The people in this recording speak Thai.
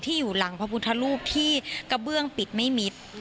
อยู่หลังพระพุทธรูปที่กระเบื้องปิดไม่มิด